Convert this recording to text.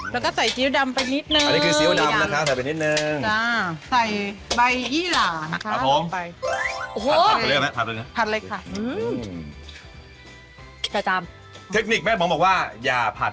แล้วก็ตามด้วยเนื้อน้ำฮ่า